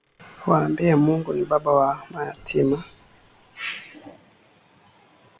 Waambie Mungu ni baba wa mayatima.